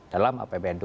dalam apbn dua